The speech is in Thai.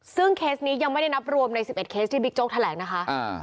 ซึ่งเคสนี้ยังไม่ได้นับรวมใน๑๑เคสที่บิ๊กโจ๊กแถลงนะคะ